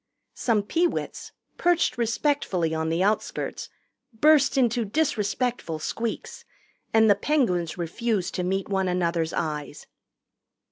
Some Peewits, perched respectfully on the outskirts, burst into disrespectful squeaks, and the Penguins refused to meet one another's eyes.